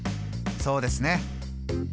そうですね。